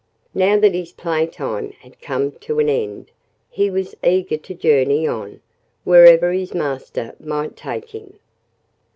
Now that his play time had come to an end, he was eager to journey on, wherever his master might take him.